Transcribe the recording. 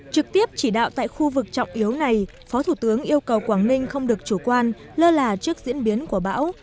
trực tiếp chỉ đạo tại khu vực trọng yếu này phó thủ tướng yêu cầu quảng ninh không được chủ quan lơ là trước diễn biến của bão